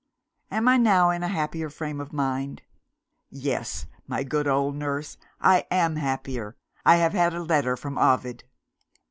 Am I now in a happier frame of mind? Yes, my good old nurse, I am happier. I have had a letter from Ovid.